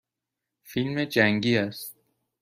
فیلم جنگی است.